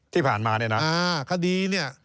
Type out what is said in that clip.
ที่ผ่านมานี่นะอ่าคดีนี่